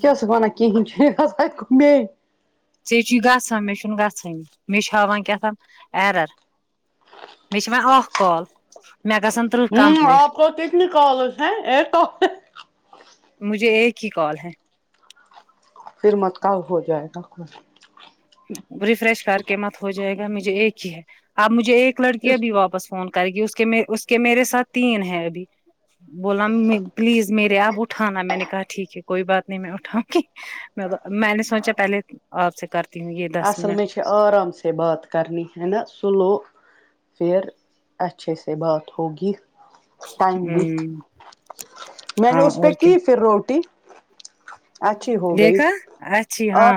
کیا سک وان ک چ [unintelligible] ذھ چ گھان میں چ ن گھ م میں چ ہا کتام ایرر [unintelligible] [unintelligible] ہوں کمپلیٹ آپ کو کتنی کالز ہیں ایک مجھے ایک ہی کال ہے فر مت کا ہو جائے گا ریفریش کر کے مت ہو جائے گا مجھے ایک ہی ہے آپ مجھے ایک لڑکی ابھی واپس فون کر گی اس کے اس کے میرے ساتھ تین ہے ابھی بولا پلیز میرے آپ اٹھانا میں نے کہا ٹھیک ہے کوئی بات نہیں میں اٹھاؤں گی میں میں نے سوچا پہلے آپ سے کرتی ہوں یہ دس اصل میں منٹ سے آرام سے بات کرنی ہے نا سلو پھر اچھے سے بات ہوگی ٹائم بھی ہوں میں نے ہاں اس پہ اور کیا کی پھر روٹی اچھی ہو گئی دیکھا اچھی ہاں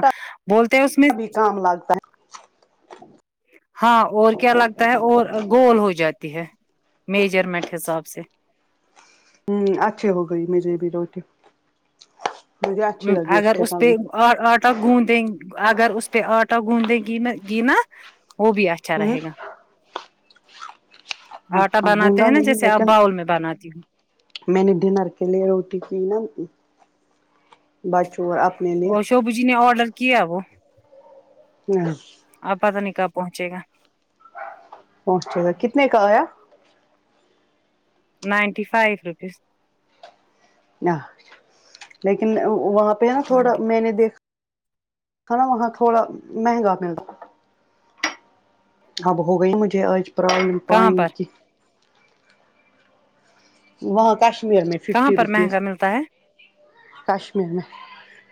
بولتے ہیں اس میں عام لگتا ہے ہاں اور کیا لگتا ہے اور گول ہو جاتی ہے میجرمنٹ حساب سے ہ اچھی ہو گئی مجھے بھی روٹی مجھے اچھی لگی اس اگر کے سم پہ آٹا گوندیں اگر اس پہ آٹا گوندیں گ ن گ نا وہ بھی اچھا میں رہے گا آٹا ہ بناتے گوندا ہیں نا نہیں جیسے آپ لیکن باؤل میں بناتی ہوں میں نے ڈنر کے لیے روٹی پ نا بچوں اپنے لیے تو بجینے ارڈر کیا وہ ہاں آپا کنے کب پہنچے گا پہنچ گیا کتنے کا آیا نائنٹی فائیو روپیز ن لیکن وہاں پہ نا تھوڑا نائنٹی میں نے دیکھا ہاں وہاں تھوڑا مہنگا ملتا اب ہو گی مجے آج پرابلم کہاں پانی پر کی وہاں کشمیر میں کہاں ففٹی پر روپیز مہنگا ملتا ہے کشمیر میں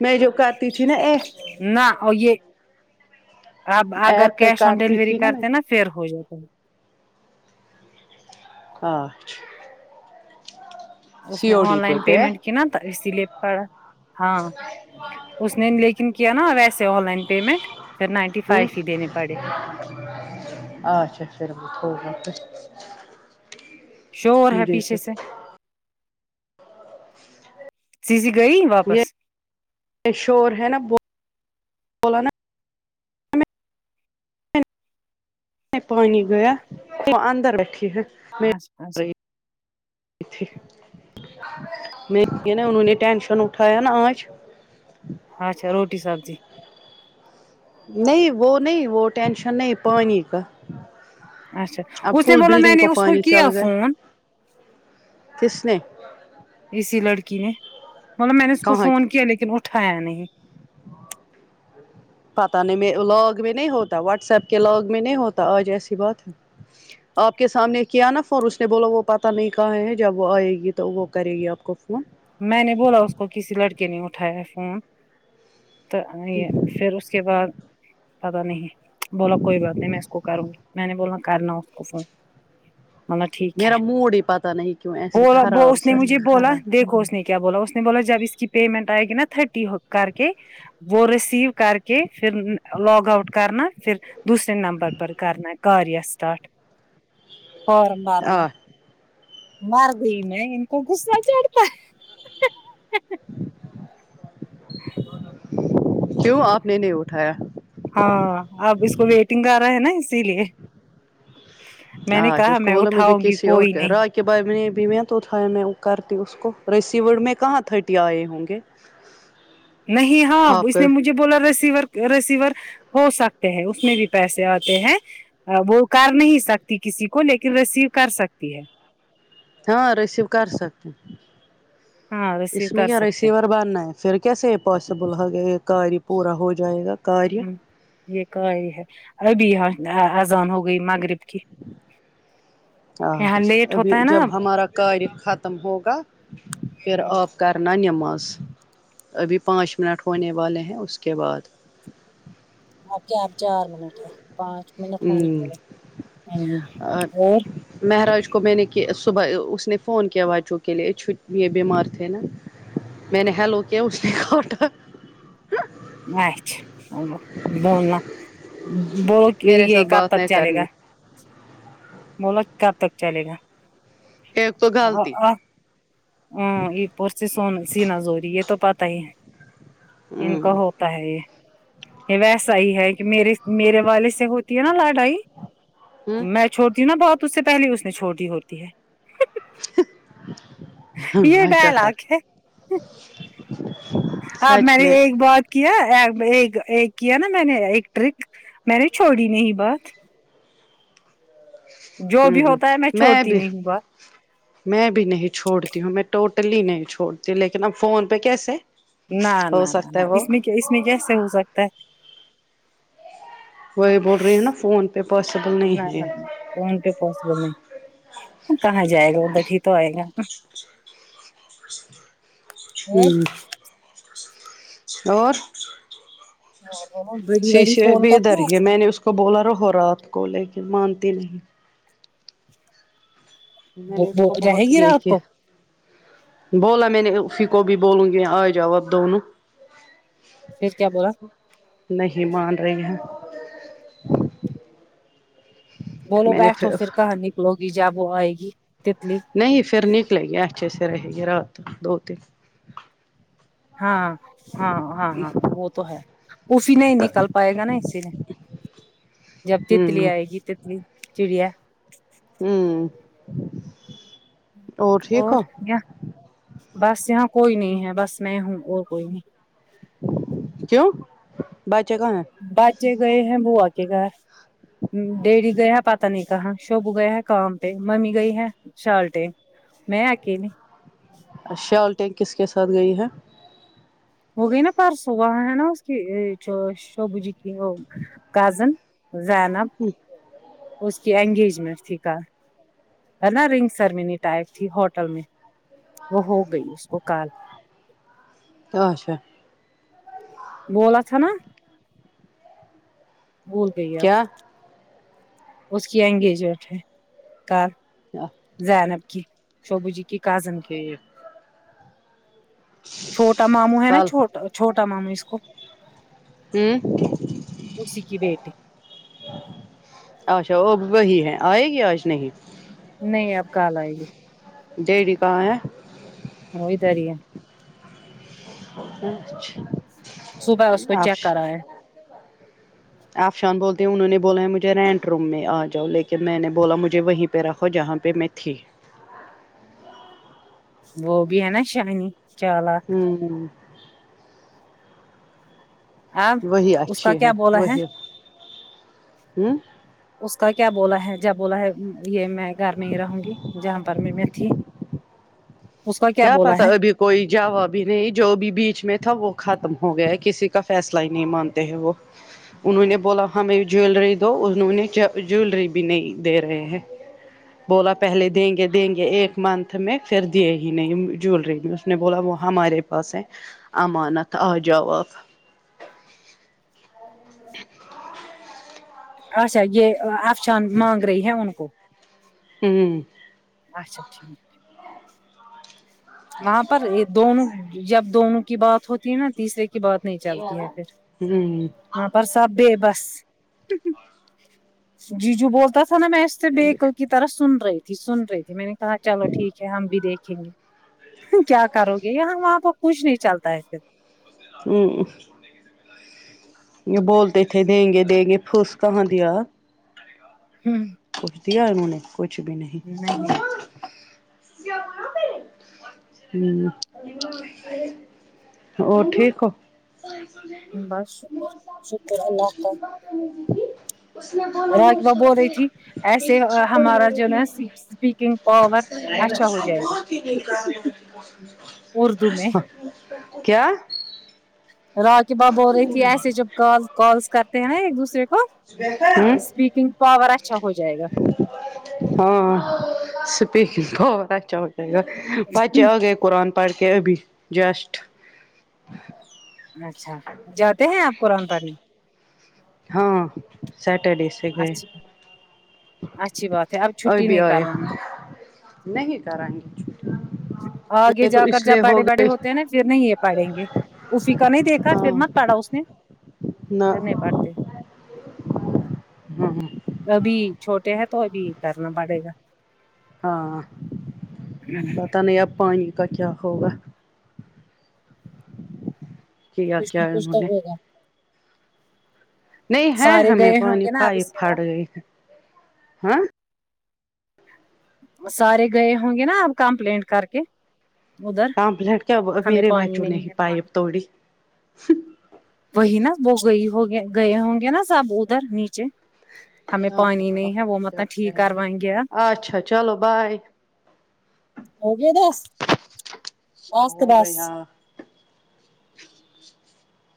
میں جو کرتی تھی نا ا نہ اور یہ اب اگر ایپ پہ کیش آن کرتی ڈیلیوری تھی میں کرتے نا پھر ہو جاتا ہے آچ اس نے او ڈی آن پہ لائن کے پیمنٹ کیا نا تو اسی لیے پڑا ہاں اس نے لیکن کیا نا ویسے آن لائن پیمنٹ پھر نائنٹی ہ فائیو ہی دینے پڑے اچھا پھر وہ [unintelligible] شور ہے پیچھے سے سی سی گئی واپس یہ شور ہے نا بو بلا نا پانی گیا وہ اندر بیٹھی ہے میں اچھا اچھا تھی میں نا انہوں نے ٹینشن اٹھایا نا آج اچھا روٹی سبزی نہیں وہ نہیں وہ ٹینشن نہیں پانی کا اچھا اب اسے فل بولو میں بلڈنگ نے اس کو پانی چل کیا گئے فون کس نے اسی لڑکی نے مطلب میں نے اس کو کہاں فون کیا لیکن اٹھایا نہیں پتا نہیں لاگ میں نہیں ہوتا واٹس ایپ کے لاگ میں نہیں ہوتا آج ایسی بات ہے آپ کے سامنے کیا نا فون اس نے بولا وہ پتہ نہیں کہا ہے ہیں جب وہ آئے گی تو وہ کرے گی آپ کو فون میں نے بولا اس کو کسی لڑکے نے اٹھایا ہے فون تو یہ پھر اس کے بعد پتا نہیں بولا کوئی بات نہیں میں اس کو کروں گی میں نے بولنا کرنا اس کو فون مل ٹھیک ہے میرا موڈ ہی پتہ نہیں کیوں ایسے وہ خراب اس نے سا مجھے بولا خراب دیکھو اس نے کیا بولا اس نے بولا جب اس کی پیمنٹ آئے گی نا تھرٹی کر کے وہ رسیو کر کے پھر لوگ آؤٹ کرنا پھر دوسرے نمبر پر کرنا کاریہ اسٹارٹ فارم بنا آ مر گئی میں ان کو گھس نہ چڑتا کیوں آپ نے نہیں اٹھایا ہاں اب اس کو ویٹنگ کر رہا ہے نا اسی لیے میں نے کہا میں اٹھاؤں گی کوئی نہیں کہ بھائی تو میں کرتی اس کو رسیڈ میں کہاں تھرٹی آئے ہوں گے نہیں ہاں آپ اس کا نے مجھ ج بولا ریسیور ریسیور ہو سکتے ہیں اس میں بھی پیسے آتے ہیں وہ کر نہیں سکتی کسی کو لیکن ریسیو کر سکتی ہے ہاں ریسیو کر سکتے ہاں ریسیو اس میں کر کیا سکتے ریسیور بننا ہے پھر کیسے پاسیبل ہو گیا یہ کاریہ پورا ہو جائے گا کاریہ ہیں ہ یہ کا ہے ابھی یہاں اذان ہو گئی مغرب کی یہاں اچھا لیٹ ابھی ہوتا ہے نا جب اب ہمارا کاریہ ختم ہوگا پھر آپ کنا نماز ابھی پانچ منٹ ہونے والے ہیں اس کے بعد آپ کیا اپ چار منٹ ہے پانچ منٹ ہونے ہمم والے ہ اور مہاراج کو میں نے صبح اس نے فون کیا بچوں کے لیے چیہ بیمار تھے نا میں نے حلو کیا اس نے کاٹا اچھا بولنا بولتی ہے میرے یہ ساتھ کب بات تک نہیں چلے گا کرنی بولو کب تک چلے گا ایک تو غلطی ہاں یہ اپسی سو سین زوری یہ تو پت ہی ہے ان ہمم کا ہو تا ہے یہ یہ ویسا ہی ہے کہ میرے میرے والےوالد سے ہوتی ہے نا لڑائی میں چھوڑتی ہوں نا بہت اس سے پہلے اس نے چھوڑ دی ہوتی ہے ہمم یہ اچھا کر ڈائلاگ ہے آپ میں نے ایک بات کیا ایک ایک ایک کیا نا میں نے ایک ٹرک میں نے چھوڑی نہیں بات جو ہوں بھی ہ ہوتا ہے میں چھوڑتی بھی نہیں ہوں بات میں بھی نہیں چھوڑتی ہوں میں ٹوٹلی نہیں چھوڑتی ہوں لیکن اب فون پہ کیسے نہ ہو نہ نہ سکتا نہ ہے وہ اس میں کیا اس میں کیسے ہو سکتا ہے وہی بول رہی ہیں نا فون پ پاسبل نہ نہیں نہ ہے نہ فون پہ پاسبل نہیں کہاں جائے گا اد ٹھیک توئے گا ہوں اور بڑی بڑی شیشے فون بھی ادھر ہی کرتی میں نے اس کو بولا رہوو رات کو لیکن مانتی نہیں میں نے اس وہ کو رہے بہت گی یہی رات کیا کو بولا میں نے اسی کو بھی بولوں گی آ جاؤ اپ دونوں پھر کیا بولا نہیں مان رہے ہیں بولو میں نے بیٹھو پھر کہاں نکلو گی جب وہ آئے گی تتلی نہیں پھر نکلیں گی اچھے سے رہے گی رات دو تین ہاں ہاں ہاں ہاں وہ تو ہے افی نہیں نکل پائے گا نا اسی میں جب تتلی ہ آئے گی تتلی چڑیا ہوں اور یہ بس یہاں کوئی نہیں ہے بس میں ہوں اور کوئی نہیں کیوں باچہ کہاں ہیں باچہ گئے ہیں بو آ کے گا ڈیریی گیا ہے پتا نہیں کہاں شب گیا ہے کام پہ ممی گئی ہے شالٹیں میں آکلھی شالٹیں کس کے ساتھ گئی ہے وہ گئی نا پرسوں وہاں ہے نا اس کی شبو جی کی وہ کزن زینب ہوں اس کی انگیجمنٹ تھی کل ہے نا رنگ سرمنی ٹائپ تھی ہوٹل میں وہ ہو گئی اس کو کال اچھا بولا تھاا نا بھول گئی آ کیا اس کی انگیجمنٹ ہے کار کیا زینب کی شوبو جی کی کازن کی ٹھیک چھوٹا ماموں ہے نا کل چھوٹا چھوٹا ماموں اس کو اسی کی بیٹی ہوں اچھا وہ وہی ہے آئے گی آج نہیں نہیں آپ کال آئیے ڈیٹے کہا ہے ہوئی تاری ہے اچھ صبح اس کو چیک کرا ہے آفشان بولتے ہیں انہوں نے بولا ہے مجھے رینٹ روم میں آ جاؤ لیکن میں نے بولا مجھے وہیں پہ رکھو جہاں پہ میں تھی وہ بھی ہے نا شانی چالا ہوں آب وہی اس کا اچھی کیا بولا ہے وہی ہوں اس کا کیا بولا ہے جب بولا ہے یہ میں گھر میں ہی رہوں گی جہاں پر میں میں تھی اس کا کیا بولا پتا ہے ابھی کوئی جہ بھی نہیں جو بھی بیچ میں تھا وہ ختم ہو گیا ہے کسی کا فیصلہ ہی نہیں مانتے ہیں وہ انہوں نے بولا ہمیں جویلری دو انوںیں جویلری بھی نہیں دے رہے ہیں بولا پہلے دیں گے دیں گے ایک منت میں پھر دے نہیں جولری میں اس نے بولا وہ ہمارے پاس ہے امانت آ جاو اچھا یہ افشان مانگ رہی ہے ان کو ہوں اچھا ٹھیک وہاں پر دونوں جب دونوں کی بات ہوتی ہے نا تیسرے کی بات نہیں چلتی ہے پھر ہوں ہاں پر سب بھی بس جی جو بولتا تھا نا میں اس سے بیکل کی طرح سن رہی تھی سن رہی تھی میں نے کہا چلو ٹھیک ہے ہم بھی دیکھیں گے کیا کرو گے یہاں وہاں پ کچھ نہیں چلتا ہے پھر اوں یہ بولتے تھے دیں گے دیں گے پھوس کہاں دیا ہوں پوچھ دیا انہوں نے کچھ بھی نہیں ہ اور ٹھیک ہو بس شکر شکر اللہ [inaudible] راک ب بول رہی تھی ایسے ہمارا جو ہے نا اسپیکنگ پاور اچھا ہو جائے گا اردو میں کیا راکی ب بول رہی تھی ایسے جب کال کالس کرتے ہیں ایک دوسرے کو ہوں اسپیکنگ پاور اچھا ہو جائے گا ہاں سپیک بہت اچھا ہو جائے گا بچے آگے قرآن پڑھ کے ابھی جسٹ اچھا جاتے ہیں آپ قرآن پڑھنے ہاں سیٹرڈے سے گئے اچھی اچھی بات ہے اب اور چھٹی بھی نہیں آئے کروانا نہیں کریں گے آگے یہ تو جا کر اس جب لیے ہو بڑے بڑے گئی ہوتے ہیں نا پھر نہیں یہ پڑیں گے افی کا نہیں دیکھا پھر ہاں مت پڑا اس نے نہ فر نئی پڑھتے ہاں ابھی چھوٹے ہیں تو ابھی کرنا پڑے گا ہاں پت نہیں اب پانی کا کیا ہوگا کیا کچھ نہ کیا ہے کچھ انہوں تو نے ہوگا نہیں ہے سارے ہمیں گئے ہوں پانی گے نا اب اس پائپ پھٹ کے گئی ہے ہاں سارے گئے ہوں گے نا آپ کمپلینٹ کر کے ادھر کمپلینٹ کیا ہمیں میرے پانی باچو نے نہیں ہے پانی پائپ توڑی وہی نا وہ گئی ہوگ گئے ہوں گے نا سب ادھر نیچے ہمیں آپ پانی بتاؤ نہیں ہے وہ کیا مطلب ٹھیک کریں کروائیں گے اچھا چلو بائے ہوگئے دس بس ہو تو بس گیا